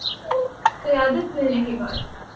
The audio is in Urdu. قیادت ملنے کے بعد